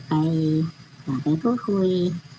ไปพูดคุย